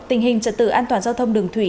tình hình trật tự an toàn giao thông đường thủy